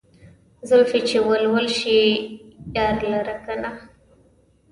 زلفې چې ول ول شي يار لره کنه